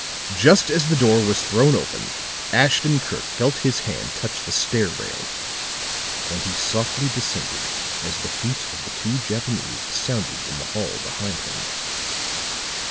Just as the door was thrown open, Ashton Kirk felt his hand touch the stair rail; and he softly descended as the feet of the two Japanese sounded in the hall behind him.